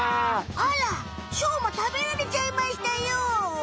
あらしょうま食べられちゃいましたよ。